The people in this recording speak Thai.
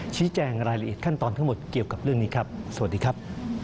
ชี้แจงรายละเอียดขั้นตอนทั้งหมดเกี่ยวกับเรื่องนี้ครับสวัสดีครับ